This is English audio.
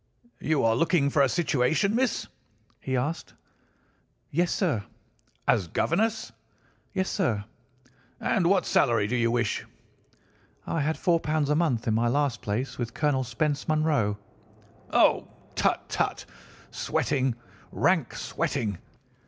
"'You are looking for a situation, miss?' he asked. "'Yes, sir.' "'As governess?' "'Yes, sir.' "'And what salary do you ask?' "'I had £ 4 a month in my last place with Colonel Spence Munro.' "'Oh, tut, tut! sweating—rank sweating!